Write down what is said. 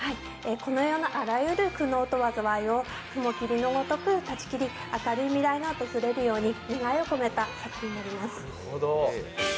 この世のあらゆる苦悩とわざわいを蜘蛛切りのごとく断ち切り、明るい未来があふれるように、願いを込めた作品になります。